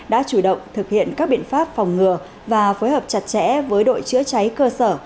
đã chủ động thực hiện các biện pháp phòng ngừa và phối hợp chặt chẽ với đội chữa cháy cơ sở